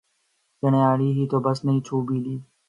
چھیڑنا ہی تو بس نہیں چھو بھی